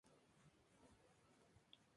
Los quiero, vengan para el sur.